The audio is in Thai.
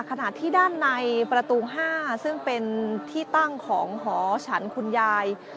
ขณะที่ด้านในประตู๕ซึ่งเป็นที่ตั้งของหอฉันคุณยาย